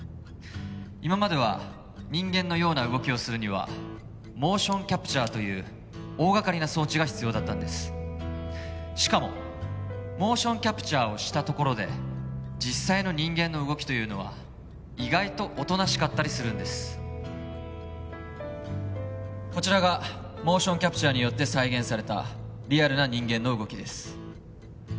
今までは人間のような動きをするにはモーションキャプチャという大掛かりな装置が必要だったんですしかもモーションキャプチャをしたところで実際の人間の動きというのは意外とおとなしかったりするんですこちらがモーションキャプチャによって再現されたリアルな人間の動きです